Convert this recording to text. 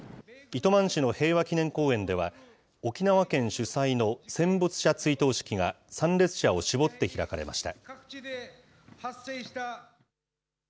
糸満市の平和祈念公園では、沖縄県主催の戦没者追悼式が参列者を絞って開かれました。